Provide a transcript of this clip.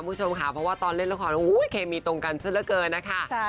ผู้ชมค่ะเพราะว่าตอนเล่นละครโอ้ยเคมีตรงกันซะแล้วเกินนะคะใช่